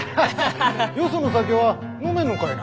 よその酒は飲めんのかいな？